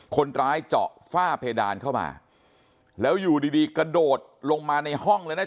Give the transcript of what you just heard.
คนร้ายเจาะฝ้าเพดานเข้ามาแล้วอยู่ดีดีกระโดดลงมาในห้องเลยนะ